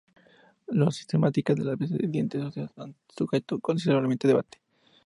La sistemática de las aves de dientes óseos ha sido sujeto de considerable debate.